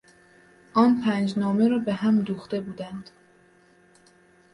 آن پنج نامه را به هم دوخته بودند.